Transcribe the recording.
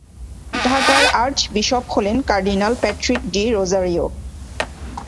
ঢাকার আর্চবিশপ হলেন cardinal Patrick D'Rozario.